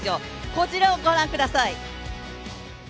こちらをご覧ください。